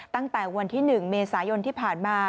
ตั้งแต่วันที่๑เมษายนที่ผ่านมา